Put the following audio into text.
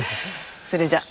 それじゃ。